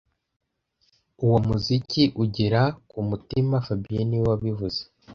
Uwo muziki ugera kumutima fabien niwe wabivuze